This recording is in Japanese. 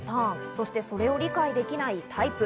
そして、それを理解できないタイプ。